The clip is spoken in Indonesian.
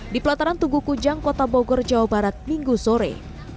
di pelataran tugu kujang kota bogor jawa barat minggu sore